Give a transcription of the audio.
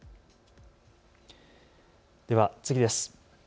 では次です。